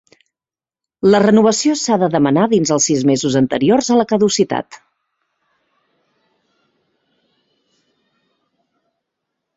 La renovació s'ha de demanar dins els sis mesos anteriors a la caducitat.